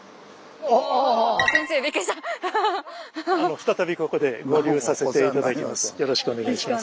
再びここで合流させて頂きます。